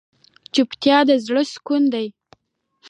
چوپتیا، د زړه سکون دی.